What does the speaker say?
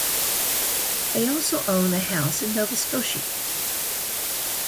They also own a house in Nova Scotia.